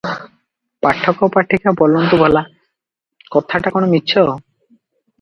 ପାଠକ ପାଠିକା ବୋଲନ୍ତୁ ଭଲା, କଥାଟା କଣ ମିଛ?